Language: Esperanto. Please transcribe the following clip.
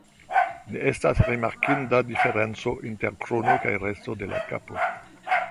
Ne estas rimarkinda diferenco inter krono kaj resto de la kapo.